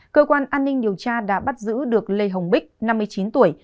cơ quan an ninh điều tra đã bắt giữ được lê hồng bích năm mươi chín tuổi